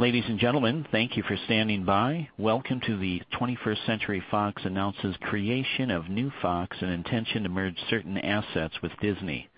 Ladies and gentlemen, thank you for standing by. Welcome to the 21st Century Fox announces creation of new Fox and intention to merge certain assets with Disney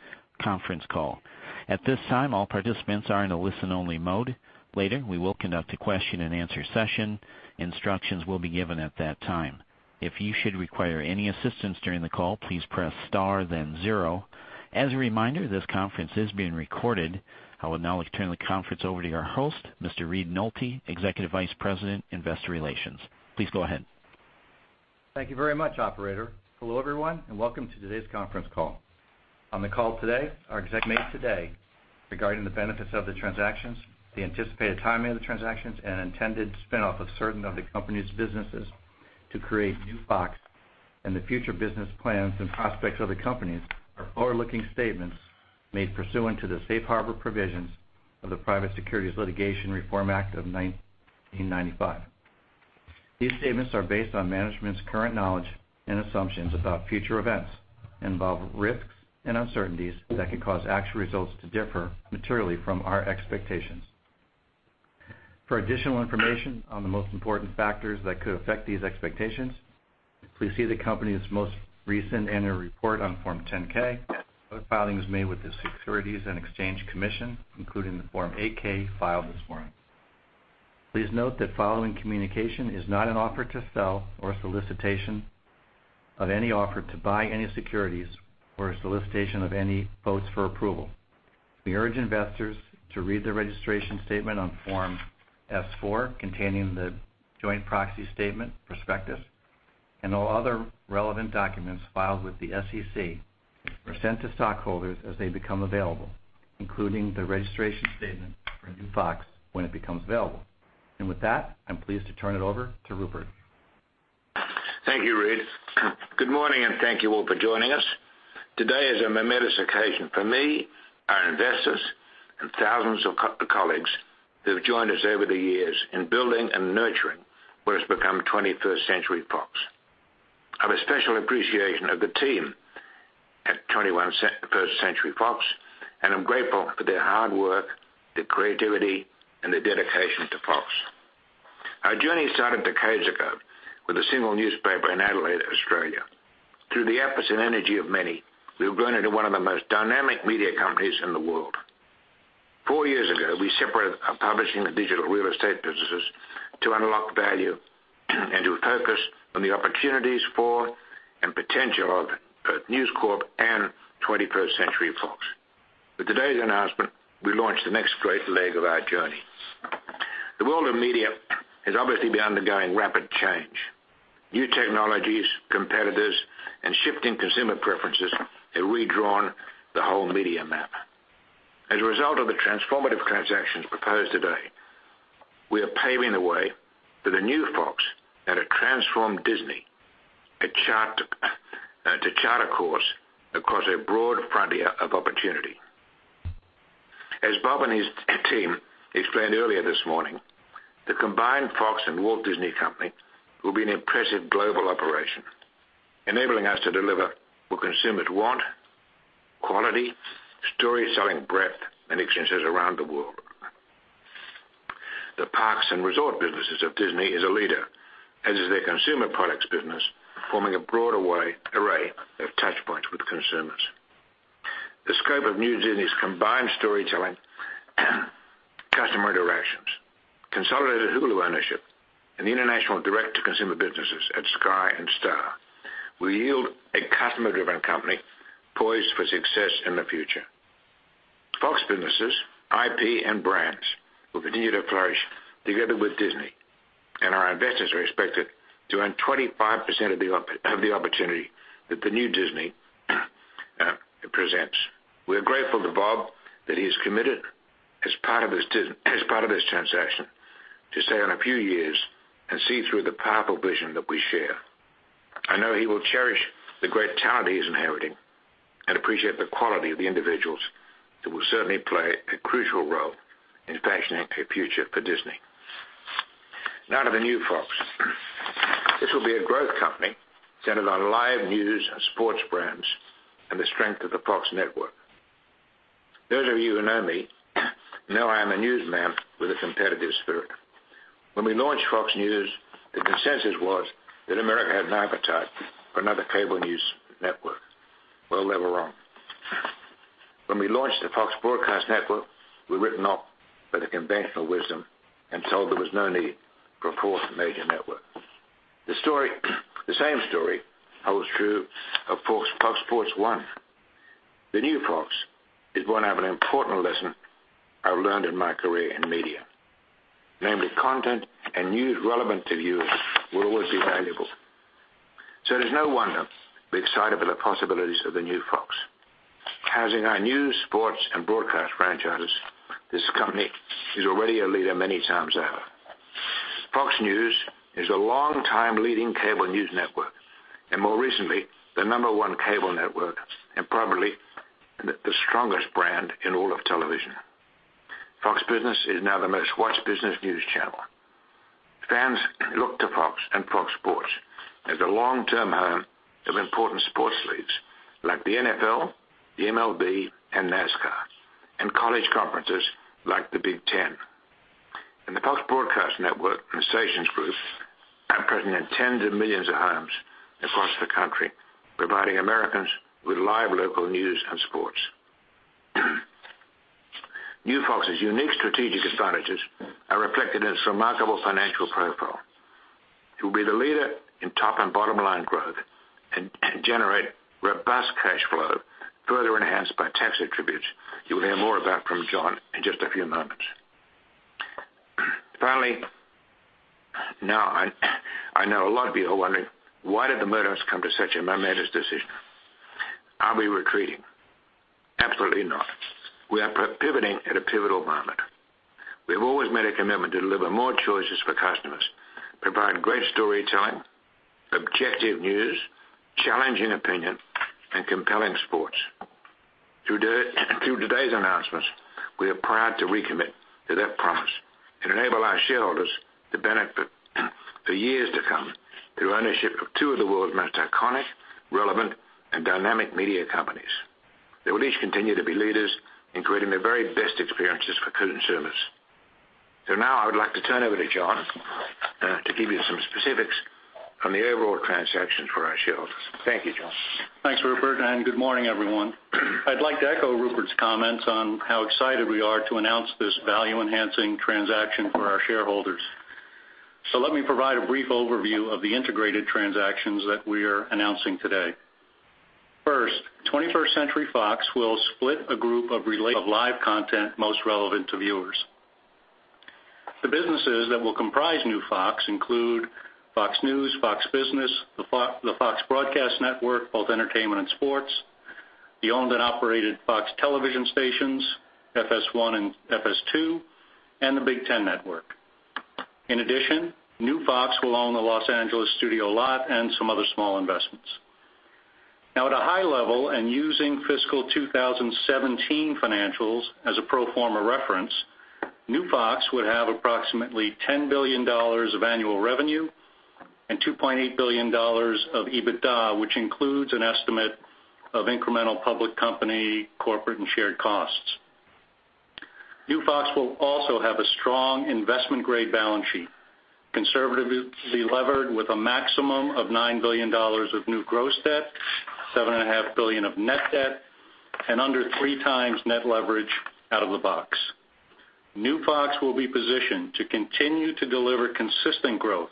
conference call. At this time, all participants are in a listen-only mode. Later, we will conduct a question and answer session. Instructions will be given at that time. If you should require any assistance during the call, please press star then zero. As a reminder, this conference is being recorded. I will now turn the conference over to our host, Mr. Reed Nolte, Executive Vice President, Investor Relations. Please go ahead. Thank you very much, operator. Hello, everyone, and welcome to today's conference call. On the call today, our executives made today regarding the benefits of the transactions, the anticipated timing of the transactions, and intended spinoff of certain of the company's businesses to create new Fox and the future business plans and prospects of the companies are forward-looking statements made pursuant to the safe harbor provisions of the Private Securities Litigation Reform Act of 1995. These statements are based on management's current knowledge and assumptions about future events and involve risks and uncertainties that could cause actual results to differ materially from our expectations. For additional information on the most important factors that could affect these expectations, please see the company's most recent annual report on Form 10-K, other filings made with the Securities and Exchange Commission, including the Form 8-K filed this morning. Please note that following communication is not an offer to sell or a solicitation of any offer to buy any securities or a solicitation of any votes for approval. We urge investors to read their registration statement on Form S-4 containing the joint proxy statement prospectus and all other relevant documents filed with the SEC or sent to stockholders as they become available, including the registration statement for new Fox when it becomes available. With that, I'm pleased to turn it over to Rupert. Thank you, Reed. Good morning. Thank you all for joining us. Today is a momentous occasion for me, our investors, and thousands of colleagues who have joined us over the years in building and nurturing what has become 21st Century Fox. I have a special appreciation of the team at 21st Century Fox, and I'm grateful for their hard work, their creativity, and their dedication to Fox. Our journey started decades ago with a single newspaper in Adelaide, Australia. Through the efforts and energy of many, we have grown into one of the most dynamic media companies in the world. Four years ago, we separated our publishing and digital real estate businesses to unlock value and to focus on the opportunities for and potential of both News Corp and 21st Century Fox. With today's announcement, we launch the next great leg of our journey. The world of media has obviously been undergoing rapid change. New technologies, competitors, and shifting consumer preferences have redrawn the whole media map. As a result of the transformative transactions proposed today, we are paving the way for the new Fox and a transformed Disney to chart a course across a broad frontier of opportunity. As Bob and his team explained earlier this morning, the combined Fox and The Walt Disney Company will be an impressive global operation, enabling us to deliver what consumers want: quality, storytelling breadth, and exchanges around the world. The parks and resort businesses of Disney is a leader, as is their consumer products business, forming a broad array of touchpoints with consumers. The scope of new Disney's combined storytelling customer directions, consolidated Hulu ownership, and international direct-to-consumer businesses at Sky and Star will yield a customer-driven company poised for success in the future. Fox businesses, IP, and brands will continue to flourish together with Disney, our investors are expected to earn 25% of the opportunity that the new Disney presents. We are grateful to Bob that he is committed as part of this transaction to stay on a few years and see through the powerful vision that we share. I know he will cherish the great talent he is inheriting and appreciate the quality of the individuals that will certainly play a crucial role in his passion and future for Disney. Now to the new Fox. This will be a growth company centered on live news and sports brands and the strength of the Fox network. Those of you who know me know I am a newsman with a competitive spirit. When we launched Fox News, the consensus was that America had no appetite for another cable news network. Well, they were wrong. When we launched the Fox Broadcast Network, we were written off by the conventional wisdom and told there was no need for a fourth major network. The same story holds true of Fox Sports 1. The new Fox is going to have an important lesson I learned in my career in media. Namely, content and news relevant to viewers will always be valuable. It is no wonder we're excited about the possibilities of the new Fox. Housing our news, sports, and broadcast franchises, this company is already a leader many times over. Fox News is a longtime leading cable news network, and more recently, the number one cable network and probably the strongest brand in all of television. Fox Business is now the most-watched business news channel. Fans look to Fox and Fox Sports as a long-term home of important sports leagues like the NFL, the MLB, and NASCAR, and college conferences like the Big Ten. The Fox Broadcast Network and Stations group are present in tens of millions of homes across the country, providing Americans with live local news and sports. New Fox's unique strategic advantages are reflected in its remarkable financial profile. It will be the leader in top and bottom-line growth and generate robust cash flow, further enhanced by tax attributes you will hear more about from John in just a few moments. Finally, now, I know a lot of you are wondering, why did the Murdochs come to such a momentous decision? Are we retreating? Absolutely not. We are pivoting at a pivotal moment. We have always made a commitment to deliver more choices for customers, provide great storytelling, objective news, challenging opinion, and compelling sports. Through today's announcements, we are proud to recommit to that promise and enable our shareholders to benefit for years to come through ownership of two of the world's most iconic, relevant, and dynamic media companies. They will each continue to be leaders in creating the very best experiences for consumers. Now I would like to turn over to John to give you some specifics on the overall transactions for our shareholders. Thank you, John. Thanks, Rupert, and good morning, everyone. I'd like to echo Rupert's comments on how excited we are to announce this value-enhancing transaction for our shareholders. Let me provide a brief overview of the integrated transactions that we are announcing today. First, 21st Century Fox will split a group of live content most relevant to viewers. The businesses that will comprise new Fox include Fox News, Fox Business, the Fox Broadcast Network, both entertainment and sports, the owned and operated Fox Television Stations, FS1 and FS2, and the Big Ten Network. In addition, new Fox will own the Los Angeles studio lot and some other small investments. Now at a high level and using fiscal 2017 financials as a pro forma reference, new Fox would have approximately $10 billion of annual revenue and $2.8 billion of EBITDA, which includes an estimate of incremental public company corporate and shared costs. New Fox will also have a strong investment-grade balance sheet, conservatively levered with a maximum of $9 billion of new gross debt, $7.5 billion of net debt, and under three times net leverage out of the box. New Fox will be positioned to continue to deliver consistent growth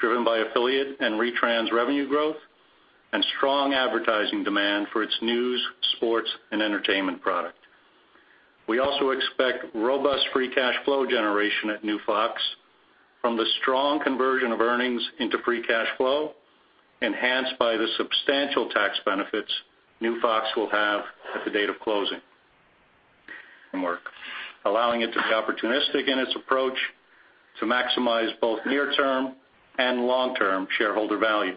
driven by affiliate and retrans revenue growth and strong advertising demand for its news, sports, and entertainment product. We also expect robust free cash flow generation at new Fox from the strong conversion of earnings into free cash flow enhanced by the substantial tax benefits new Fox will have at the date of closing framework, allowing it to be opportunistic in its approach to maximize both near-term and long-term shareholder value.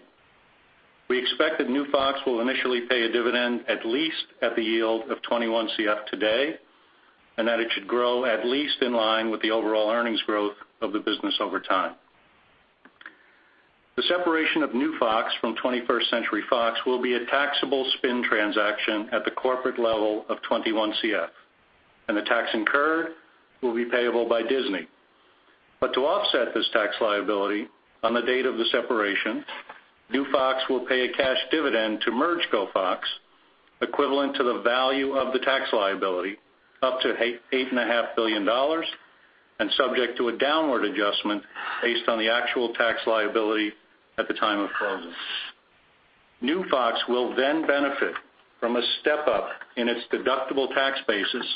We expect that new Fox will initially pay a dividend at least at the yield of 21CF today, and that it should grow at least in line with the overall earnings growth of the business over time. The separation of new Fox from 21st Century Fox will be a taxable spin transaction at the corporate level of 21CF, and the tax incurred will be payable by Disney. To offset this tax liability, on the date of the separation, new Fox will pay a cash dividend to merged co Fox equivalent to the value of the tax liability, up to $8.5 billion and subject to a downward adjustment based on the actual tax liability at the time of closing. New Fox will then benefit from a step-up in its deductible tax basis,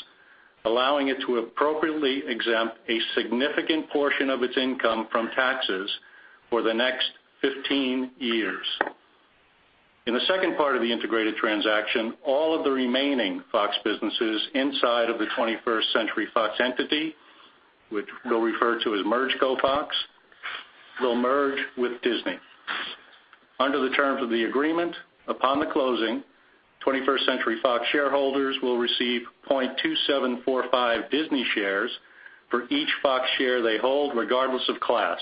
allowing it to appropriately exempt a significant portion of its income from taxes for the next 15 years. In the second part of the integrated transaction, all of the remaining Fox businesses inside of the 21st Century Fox entity, which we'll refer to as merged co Fox, will merge with Disney. Under the terms of the agreement, upon the closing, 21st Century Fox shareholders will receive 0.2745 Disney shares for each Fox share they hold, regardless of class.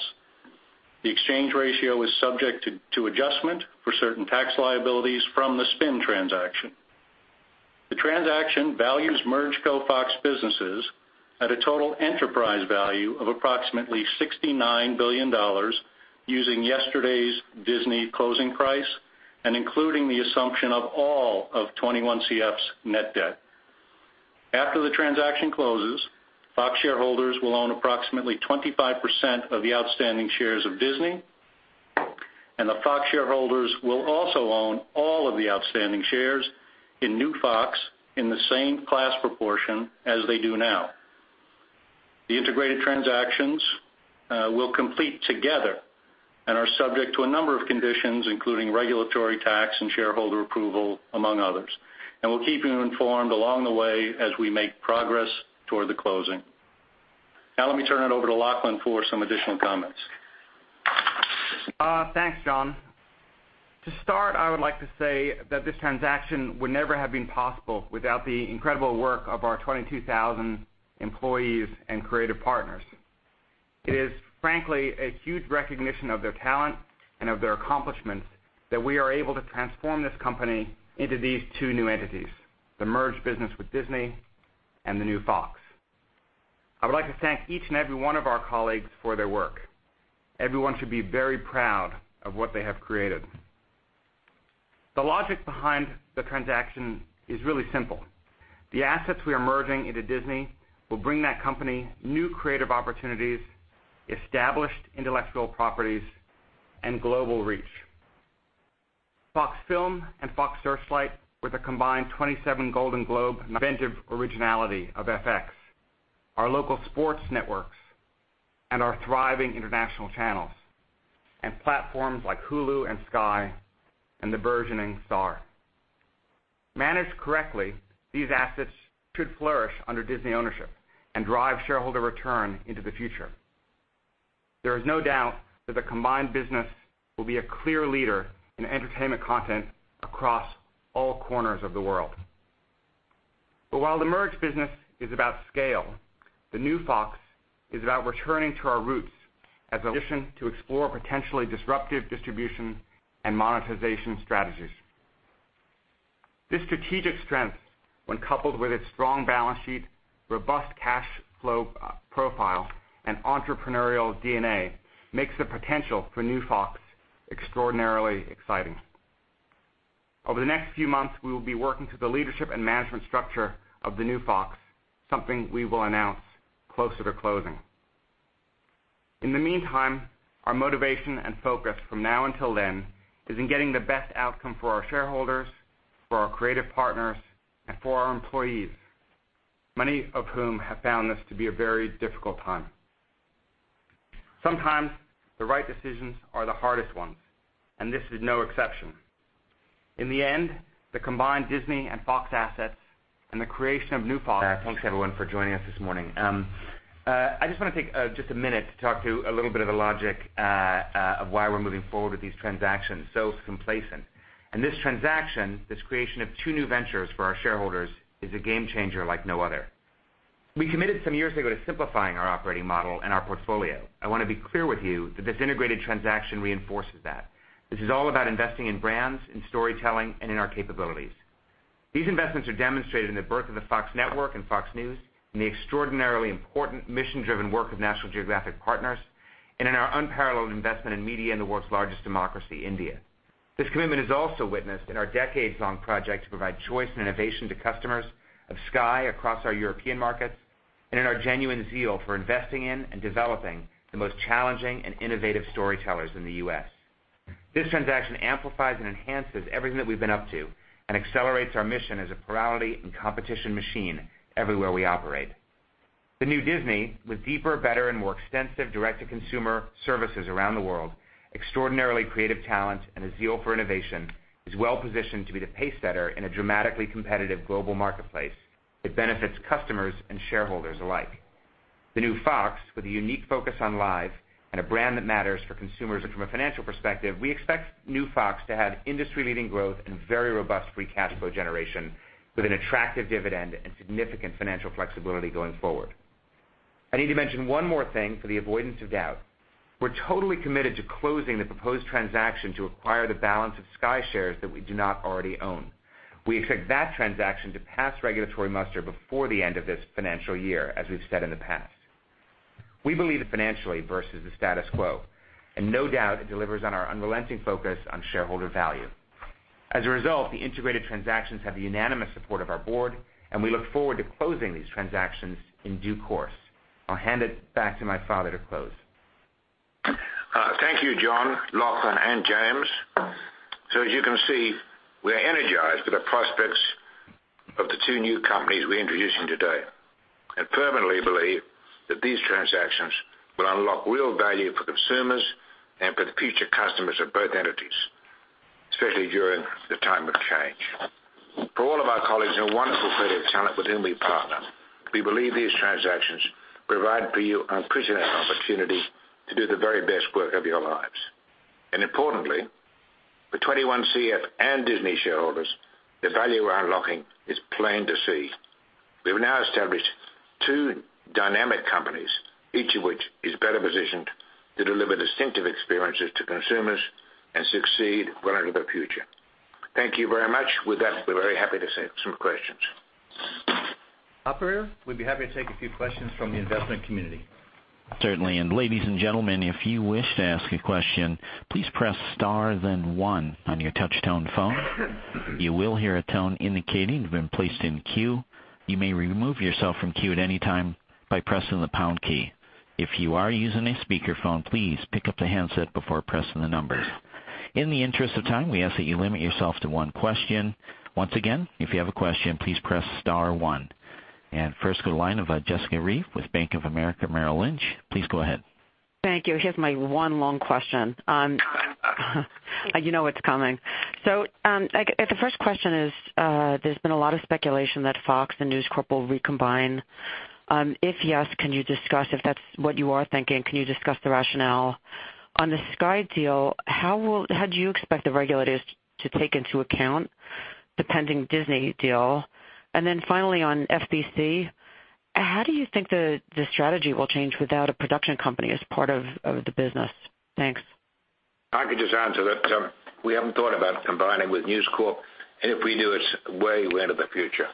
The exchange ratio is subject to adjustment for certain tax liabilities from the spin transaction. The transaction values merged co Fox businesses at a total enterprise value of approximately $69 billion using yesterday's Disney closing price and including the assumption of all of 21CF's net debt. After the transaction closes, Fox shareholders will own approximately 25% of the outstanding shares of Disney, the Fox shareholders will also own all of the outstanding shares in new Fox in the same class proportion as they do now. The integrated transactions will complete together and are subject to a number of conditions, including regulatory, tax, and shareholder approval, among others. We'll keep you informed along the way as we make progress toward the closing. Now let me turn it over to Lachlan for some additional comments. Thanks, John. To start, I would like to say that this transaction would never have been possible without the incredible work of our 22,000 employees and creative partners. It is frankly a huge recognition of their talent and of their accomplishments that we are able to transform this company into these two new entities, the merged business with Disney and the new Fox. I would like to thank each and every one of our colleagues for their work. Everyone should be very proud of what they have created. The logic behind the transaction is really simple. The assets we are merging into Disney will bring that company new creative opportunities, established intellectual properties, and global reach. Fox Film and Fox Searchlight with a combined 27 Golden Globe, inventive originality of FX, our local sports networks, and our thriving international channels and platforms like Hulu and Sky and the burgeoning Star. Managed correctly, these assets should flourish under Disney ownership and drive shareholder return into the future. There is no doubt that the combined business will be a clear leader in entertainment content across all corners of the world. While the merged business is about scale, the new Fox is about returning to our roots as to explore potentially disruptive distribution and monetization strategies. This strategic strength, when coupled with its strong balance sheet, robust cash flow profile, and entrepreneurial DNA, makes the potential for new Fox extraordinarily exciting. Over the next few months, we will be working through the leadership and management structure of the new Fox, something we will announce closer to closing. In the meantime, our motivation and focus from now until then is in getting the best outcome for our shareholders, for our creative partners, and for our employees, many of whom have found this to be a very difficult time. Sometimes the right decisions are the hardest ones, and this is no exception. Thanks, everyone, for joining us this morning. I just want to take just a minute to talk to a little bit of the logic of why we're moving forward with these transactions so compelling. This transaction, this creation of two new ventures for our shareholders, is a game changer like no other. We committed some years ago to simplifying our operating model and our portfolio. I want to be clear with you that this integrated transaction reinforces that. This is all about investing in brands, in storytelling, and in our capabilities. These investments are demonstrated in the birth of the Fox network and Fox News, in the extraordinarily important mission-driven work of National Geographic Partners, and in our unparalleled investment in media in the world's largest democracy, India. This commitment is also witnessed in our decades-long project to provide choice and innovation to customers of Sky across our European markets, and in our genuine zeal for investing in and developing the most challenging and innovative storytellers in the U.S. This transaction amplifies and enhances everything that we've been up to and accelerates our mission as a plurality and competition machine everywhere we operate. The new Disney, with deeper, better, and more extensive direct-to-consumer services around the world, extraordinarily creative talent and a zeal for innovation, is well-positioned to be the pacesetter in a dramatically competitive global marketplace that benefits customers and shareholders alike. The new Fox, with a unique focus on live and a brand that matters for consumers. From a financial perspective, we expect new Fox to have industry-leading growth and very robust free cash flow generation with an attractive dividend and significant financial flexibility going forward. I need to mention one more thing for the avoidance of doubt. We're totally committed to closing the proposed transaction to acquire the balance of Sky shares that we do not already own. We expect that transaction to pass regulatory muster before the end of this financial year, as we've said in the past. We believe it financially versus the status quo, and no doubt it delivers on our unrelenting focus on shareholder value. As a result, the integrated transactions have the unanimous support of our board, and we look forward to closing these transactions in due course. I'll hand it back to my father to close. Thank you, John, Lachlan, and James. As you can see, we are energized by the prospects of the two new companies we're introducing today and firmly believe that these transactions will unlock real value for consumers and for the future customers of both entities, especially during the time of change. For all of our colleagues and wonderful creative talent with whom we partner, we believe these transactions provide for you unprecedented opportunity to do the very best work of your lives. Importantly, for 21 CF and Disney shareholders, the value we're unlocking is plain to see. We have now established two dynamic companies, each of which is better positioned to deliver distinctive experiences to consumers and succeed well into the future. Thank you very much. With that, we're very happy to take some questions. Operator, we'd be happy to take a few questions from the investment community. Certainly. Ladies and gentlemen, if you wish to ask a question, please press star then one on your touch-tone phone. You will hear a tone indicating you've been placed in queue. You may remove yourself from queue at any time by pressing the pound key. If you are using a speakerphone, please pick up the handset before pressing the numbers. In the interest of time, we ask that you limit yourself to one question. Once again, if you have a question, please press star one. First go to the line of Jessica Reif with Bank of America Merrill Lynch. Please go ahead. Thank you. Here's my one long question You know it's coming. The first question is, there's been a lot of speculation that Fox and News Corp will recombine. If yes, can you discuss if that's what you are thinking? Can you discuss the rationale? On the Sky deal, how do you expect the regulators to take into account the pending Disney deal? On FBC, how do you think the strategy will change without a production company as part of the business? Thanks. I can just answer that. We haven't thought about combining with News Corp, if we do, it's way into the future.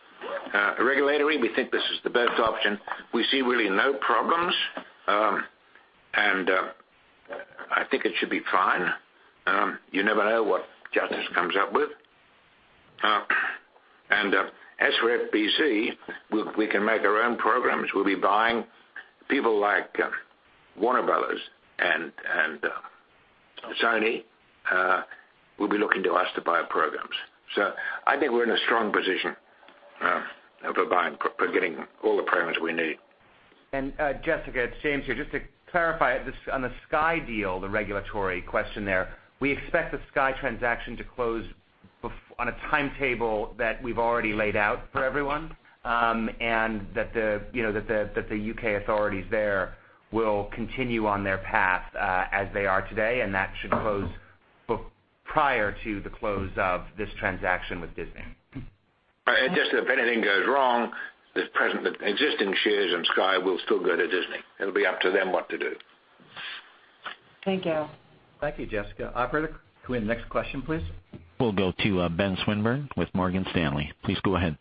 Regulatory, we think this is the best option. We see really no problems. I think it should be fine. You never know what justice comes up with. As for FBC, we can make our own programs. We'll be buying people like Warner Bros. and Sony will be looking to us to buy programs. I think we're in a strong position of getting all the programs we need. Jessica, it's James here. Just to clarify, on the Sky deal, the regulatory question there, we expect the Sky transaction to close on a timetable that we've already laid out for everyone. That the U.K. authorities there will continue on their path, as they are today, that should close prior to the close of this transaction with Disney. Just if anything goes wrong, the existing shares in Sky will still go to Disney. It'll be up to them what to do. Thank you. Thank you, Jessica. Operator, can we have the next question, please? We'll go to Benjamin Swinburne with Morgan Stanley. Please go ahead.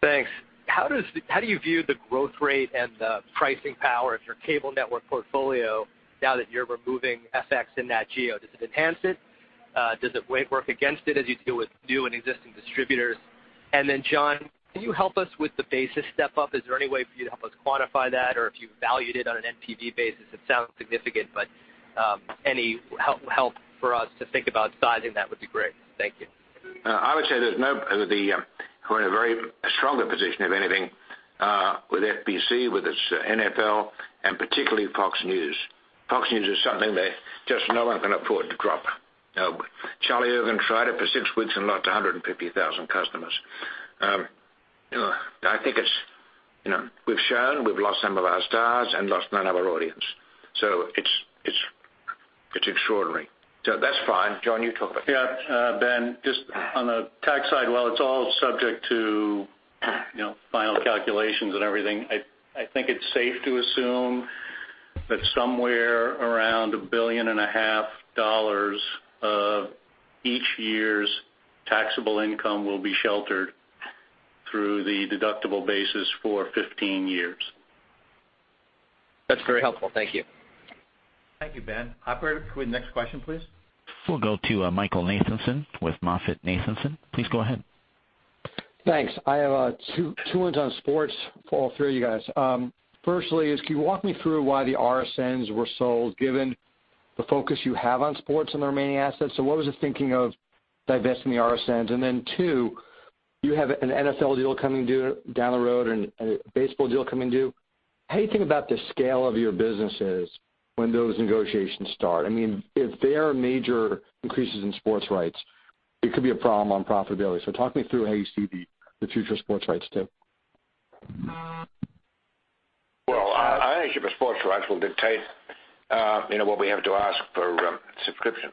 Thanks. How do you view the growth rate and the pricing power of your cable network portfolio now that you're removing FX and Nat Geo? Does it enhance it? Does it work against it as you deal with new and existing distributors? John, can you help us with the basis step-up? Is there any way for you to help us quantify that, or if you valued it on an NPV basis? It sounds significant, but any help for us to think about sizing that would be great. Thank you. I would say we're in a very stronger position, if anything, with FBC, with its NFL, and particularly Fox News. Fox News is something that just no one can afford to drop. Charlie Ergen tried it for six weeks and lost 150,000 customers. I think we've shown we've lost some of our stars and lost none of our audience. It's extraordinary. That's fine. John, you talk about. Ben, just on the tax side, while it's all subject to final calculations and everything, I think it's safe to assume that somewhere around a billion and a half dollars of each year's taxable income will be sheltered through the deductible basis for 15 years. That's very helpful. Thank you. Thank you, Ben. Operator, can we have the next question, please? We'll go to Michael Nathanson with MoffettNathanson. Please go ahead. Thanks. I have two ones on sports for all three of you guys. Firstly is, can you walk me through why the RSNs were sold, given the focus you have on sports and the remaining assets? What was the thinking of divesting the RSNs? Then two, you have an NFL deal coming due down the road and a baseball deal coming due. How are you thinking about the scale of your businesses when those negotiations start? I mean, if there are major increases in sports rights, it could be a problem on profitability. Talk me through how you see the future of sports rights too. Well, I think the sports rights will dictate what we have to ask for subscriptions.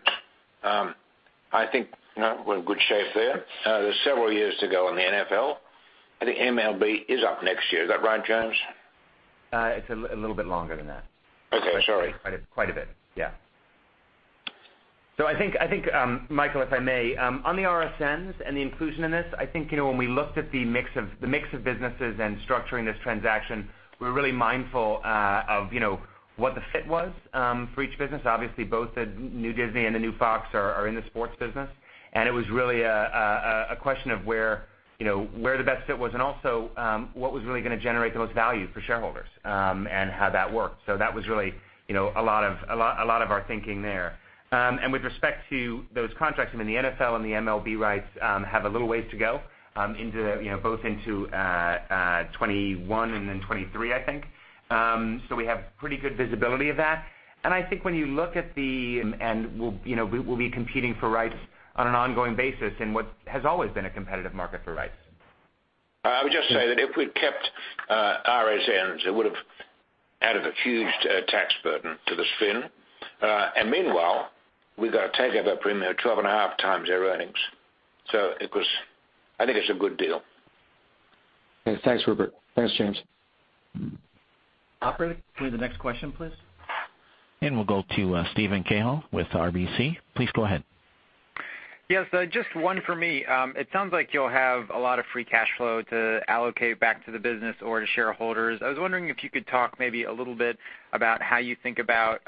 I think we're in good shape there. There's several years to go on the NFL. I think MLB is up next year. Is that right, James? It's a little bit longer than that. Okay, sorry. Quite a bit. Yeah. I think, Michael, if I may, on the RSNs and the inclusion in this, I think when we looked at the mix of businesses and structuring this transaction, we were really mindful of what the fit was for each business. Obviously, both the new Disney and the new Fox are in the sports business, and it was really a question of where the best fit was and also, what was really going to generate the most value for shareholders, and how that worked. That was really a lot of our thinking there. With respect to those contracts, I mean, the NFL and the MLB rights have a little ways to go both into 2021 and then 2023, I think. We have pretty good visibility of that. We'll be competing for rights on an ongoing basis in what has always been a competitive market for rights. I would just say that if we'd kept RSNs, it would've added a huge tax burden to the spin. Meanwhile, we got a take of at premium 12 and a half times their earnings. I think it's a good deal. Okay, thanks Rupert. Thanks James. Operator, can we have the next question, please? We'll go to Steven Cahall with RBC. Please go ahead. Yes, just one for me. It sounds like you'll have a lot of free cash flow to allocate back to the business or to shareholders. I was wondering if you could talk maybe a little bit about how you think about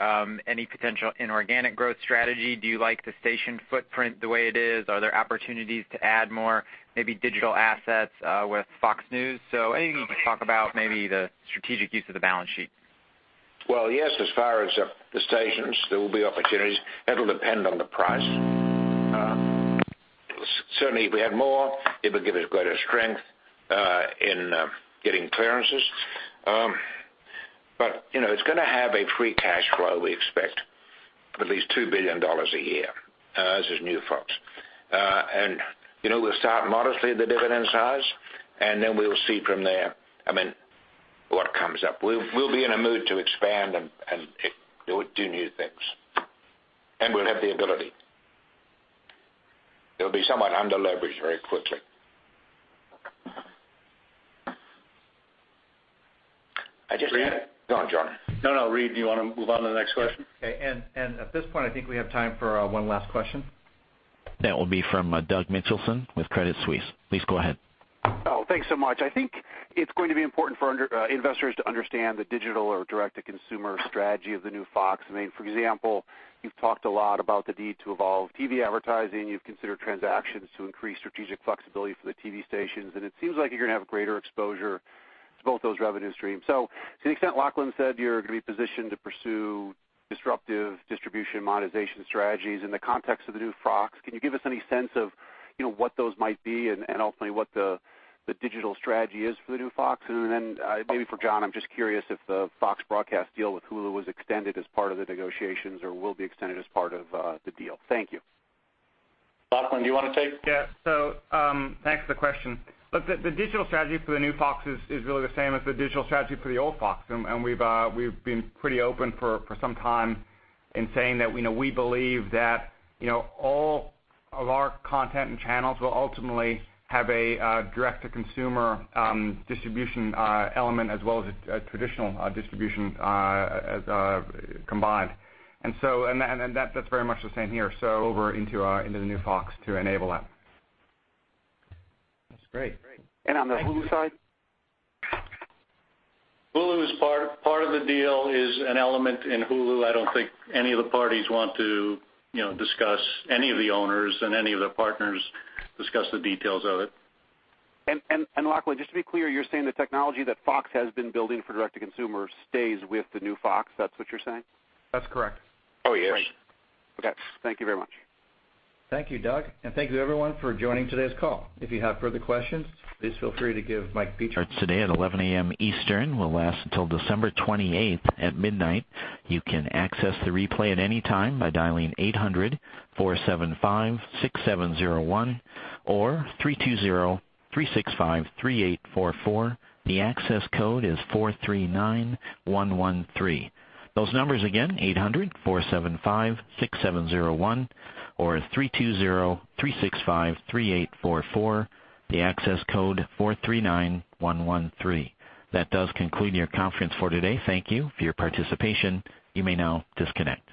any potential inorganic growth strategy. Do you like the station footprint the way it is? Are there opportunities to add more, maybe digital assets with Fox News? Anything you could talk about maybe the strategic use of the balance sheet? Well, yes, as far as the stations, there will be opportunities. It will depend on the price. Certainly, if we had more, it would give us greater strength in getting clearances. It is going to have a free cash flow, we expect of at least $2 billion a year as this new Fox. We will start modestly the dividend size, then we will see from there what comes up. We will be in a mood to expand and do new things. We will have the ability. It will be somewhat under-leveraged very quickly. Reed? Go on, John. No, Reed, do you want to move on to the next question? Okay. At this point, I think we have time for one last question. That will be from Douglas Mitchelson with Credit Suisse. Please go ahead. Oh, thanks so much. I think it's going to be important for investors to understand the digital or direct-to-consumer strategy of the new Fox. For example, you've talked a lot about the need to evolve TV advertising. You've considered transactions to increase strategic flexibility for the TV stations, and it seems like you're going to have greater exposure to both those revenue streams. To the extent Lachlan said you're going to be positioned to pursue disruptive distribution monetization strategies in the context of the new Fox, can you give us any sense of what those might be and ultimately what the digital strategy is for the new Fox? Maybe for John, I'm just curious if the Fox broadcast deal with Hulu was extended as part of the negotiations or will be extended as part of the deal. Thank you. Lachlan, do you want to take? Yeah. Thanks for the question. Look, the digital strategy for the new Fox is really the same as the digital strategy for the old Fox. We've been pretty open for some time in saying that we believe that all of our content and channels will ultimately have a direct-to-consumer distribution element as well as a traditional distribution combined. That's very much the same here, so over into the new Fox to enable that. That's great. On the Hulu side? Hulu is part of the deal, is an element in Hulu. I don't think any of the parties want to discuss any of the owners and any of the partners discuss the details of it. Lachlan, just to be clear, you're saying the technology that Fox has been building for direct to consumer stays with the new Fox. That's what you're saying? That's correct. Oh, yes. Great. Okay. Thank you very much. Thank you, Doug. Thank you everyone for joining today's call. If you have further questions, please feel free to give Lowell Singer. Starts today at 11:00 A.M. Eastern, will last until December 28th at midnight. You can access the replay at any time by dialing 800-475-6701 or 320-365-3844. The access code is 439113. Those numbers again, 800-475-6701 or 320-365-3844. The access code, 439113. That does conclude your conference for today. Thank you for your participation. You may now disconnect.